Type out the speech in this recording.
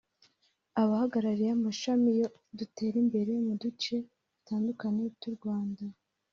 Abahagarariye amashami ya Dutere Imbere mu duce dutandukanye tw’u Rwanda